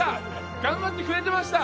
頑張ってくれてました。